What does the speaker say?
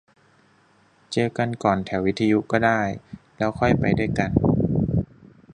เจอกันก่อนแถววิทยุก็ได้ แล้วค่อยไปด้วยกัน